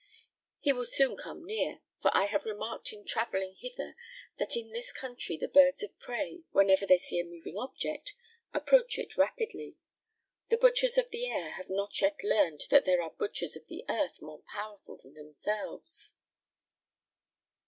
He will soon come near; for I have remarked in travelling hither that in this country the birds of prey, whenever they see a moving object, approach it rapidly. The butchers of the air have not yet learned that there are butchers of the earth more powerful than themselves."